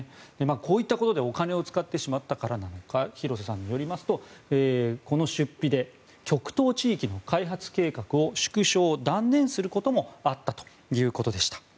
こういったことでお金を使ってしまったから廣瀬さんによりますとこの出費で極東地域の開発計画を縮小・断念することもあったということでした。